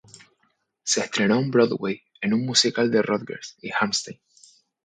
Se estrenó en Broadway en un musical de Rodgers y Hammerstein.